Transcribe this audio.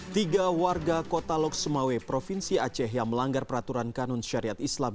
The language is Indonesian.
tiga warga kota loksemawe provinsi aceh yang melanggar peraturan kanun syariat islam